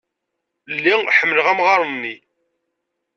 Lliɣ ḥemmleɣ amɣar-nni.